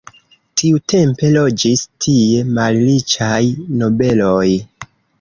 Tiutempe loĝis tie malriĉaj nobeloj.